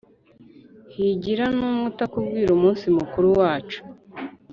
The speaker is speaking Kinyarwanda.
higira n’umwe utakubwa umunsi mukuru wacu,